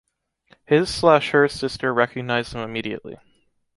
His/ her sister recognized them immediately.